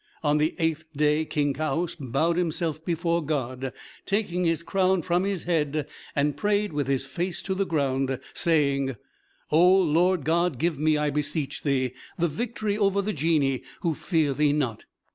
On the eighth day King Kaoüs bowed himself before God, taking his crown from his head, and prayed with his face to the ground, saying, "O Lord God, give me, I beseech thee, the victory over the Genii who fear thee not."